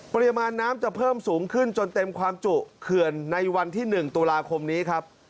ปริมาณน้ำจะเพิ่มสูงขึ้นจนเต็มความจุเขื่อนในวันที่๑ตุลาคมนี้ครับ